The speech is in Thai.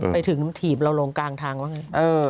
ไปถึงถิ่มเราลงกลางทางว่าไง